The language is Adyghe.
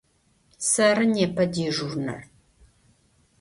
Сэры непэ дежурнэр.